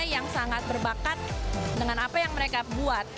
yang sangat berbakat dengan apa yang mereka buat